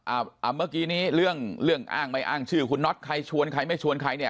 เมื่อกี้นี้เรื่องเรื่องอ้างไม่อ้างชื่อคุณน็อตใครชวนใครไม่ชวนใครเนี่ย